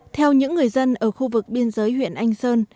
theo những người dân ở khu vực biên giới huyện anh sơn